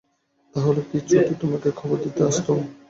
তা হলে কি ছুটে তোমাকে খবর দিতে আসতুম?